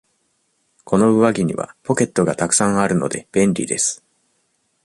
この上着にはポケットがたくさんあるので、便利です。